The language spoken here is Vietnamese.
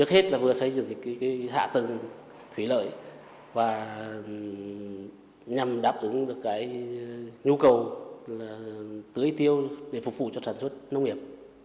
hạ tầng thủy lợi và nhằm đáp ứng được cái nhu cầu tưới tiêu để phục vụ cho sản xuất nông nghiệp